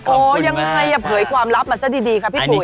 ยังไงเผยความลับมาซะดีค่ะพี่ปุ๋